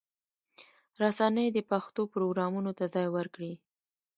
رسنۍ دې پښتو پروګرامونو ته ځای ورکړي.